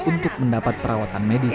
untuk mendapat perawatan medis